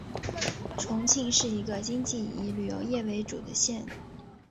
重庆是一个经济以旅游业为主的县。